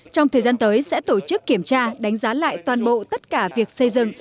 trong thời gian tới sẽ tổ chức kiểm tra đánh giá lại toàn bộ tất cả việc xây dựng